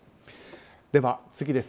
では、次です。